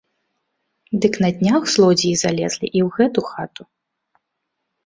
Дык на днях злодзеі залезлі і ў гэту хату.